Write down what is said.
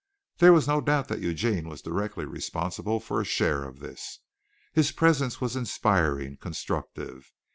There was no doubt that Eugene was directly responsible for a share of this. His presence was inspiring, constructive.